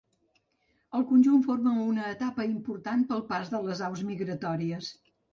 El conjunt forma una etapa important per al pas de les aus migratòries.